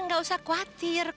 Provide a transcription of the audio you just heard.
eang gak usah khawatir